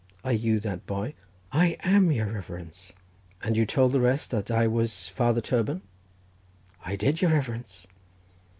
"Are you that boy?" "I am, your reverence." "And you told the rest that I was Father Toban?" "I did, your reverence."